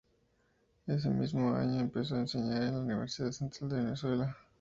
En ese mismo año, empezó a enseñar en la Universidad Central de Venezuela.